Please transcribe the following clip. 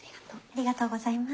ありがとうございます。